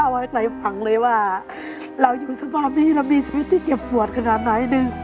ว่าใครฟังเลยว่าเราอยู่สภาพนี้แล้วมีสิ่งที่เจ็บปวดขนาดไหนหนึ่ง